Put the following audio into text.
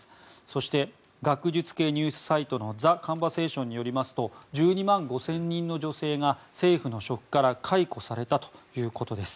そして、学術系ニュースサイトのザ・カンバセーションによりますと１２万５０００人の女性が政府の職から解雇されたということです。